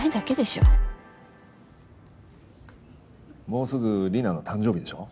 もうすぐリナの誕生日でしょ？